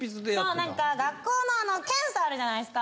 そうなんか学校の検査あるじゃないですか。